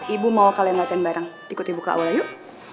ibu mau kalian latihan bareng ikut ibu ke aula yuk